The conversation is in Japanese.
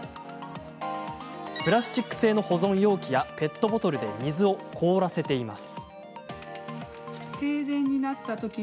プラスチック製の保存容器やペットボトルで水を凍らせています。